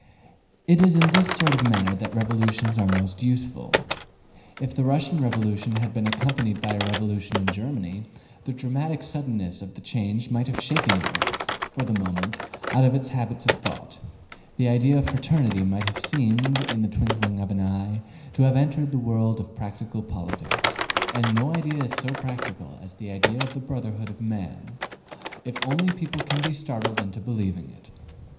It is in this sort of matter that revolutions are most useful. If the Russian Revolution had been accompanied by a revolution in Germany, the dramatic suddenness of the change might have shaken Europe, for the moment, out of its habits of thought: the idea of fraternity might have seemed, in the twinkling of an eye, to have entered the world of practical politics; and no idea is so practical as the idea of the brotherhood of man, if only people can be startled into believing in it.